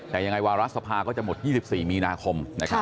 แต่ยังไงวาระสภาก็จะหมด๒๔มีนาคม